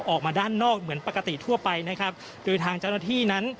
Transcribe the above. ออกมาด้านนอกเหมือนปกติทั่วไปนะครับโดยทางเจ้าหน้าที่นั้น